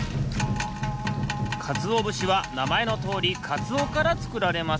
かつおぶしはなまえのとおりかつおからつくられます。